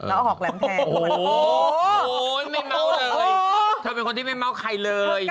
โอ้โฮไม่เมาส์เลยเธอเป็นคนที่ไม่เมาส์ใครเลย